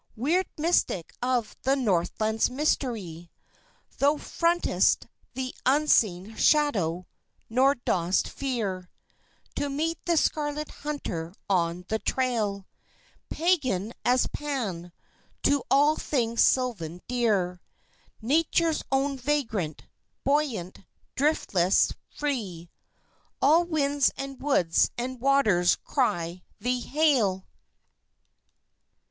Weird mystic of the Northland's mystery, Thou 'front'st the Unseen Shadow, nor dost fear To meet the Scarlet Hunter on the trail; Pagan as Pan; to all things sylvan dear, Nature's own vagrant, buoyant, driftless, free All winds and woods and waters cry thee hail!